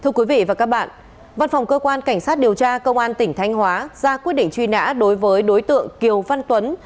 thưa quý vị và các bạn văn phòng cơ quan cảnh sát điều tra công an tỉnh thanh hóa ra quyết định truy nã đối với đối tượng kiều văn tuấn